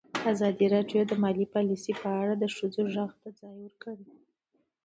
ازادي راډیو د مالي پالیسي په اړه د ښځو غږ ته ځای ورکړی.